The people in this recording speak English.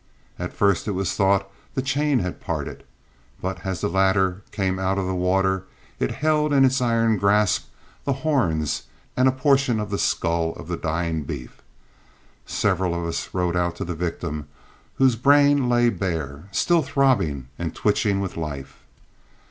At first it was thought the chain had parted, but as the latter came out of the water it held in its iron grasp the horns and a portion of the skull of the dying beef. Several of us rode out to the victim, whose brain lay bare, still throbbing and twitching with life.